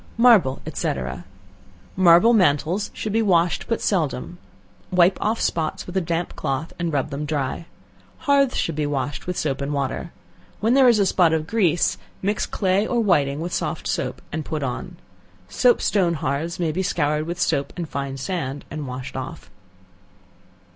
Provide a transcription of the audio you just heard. Marble, &c. Marble mantles should be washed but seldom; wipe off spots with a damp cloth, and rub them dry. Hearths should be washed with soap and water. When there is a spot of grease, mix clay or whiting with soft soap, and put on. Soap stone hearths may be scoured with soap and fine sand, and washed off.